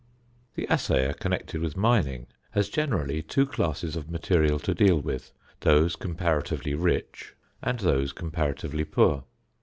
The assayer connected with mining has generally two classes of material to deal with: those comparatively rich and those comparatively poor.